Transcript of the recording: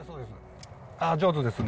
あ上手ですね。